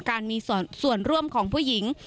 การมีส่วนร่วมของผู้หญิง